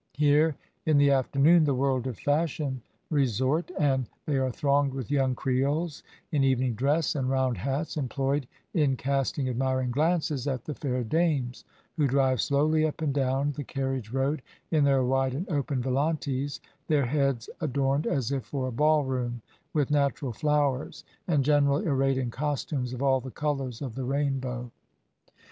Here, in the afternoon, the world of fashion resort, and they are thronged with young creoles in evening dress and round hats, employed in casting admiring glances at the fair dames, who drive slowly up and down the carriage road in their wide and open volantes, their heads adorned as if for a ballroom, with natural flowers, and generally arrayed in costumes of all the colours of the rainbow.